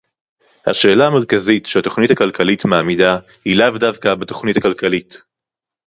השאלה המרכזית שהתוכנית הכלכלית מעמידה היא לאו דווקא בתוכנית הכלכלית